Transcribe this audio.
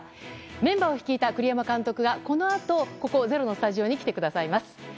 メンバーを率いた栗山監督がこのあと、ここ「ｚｅｒｏ」のスタジオに来てくださいます。